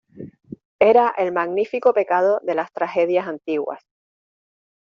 era el magnífico pecado de las tragedias antiguas.